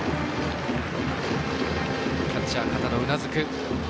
キャッチャー、片野、うなずく。